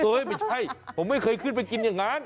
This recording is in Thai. ไม่ใช่ผมไม่เคยขึ้นไปกินอย่างนั้น